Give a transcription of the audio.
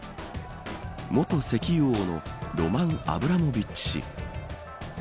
元石油王のロマン・アブラモビッチ氏。